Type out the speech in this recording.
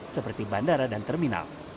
seperti bandara dan terminal